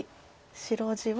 白地は。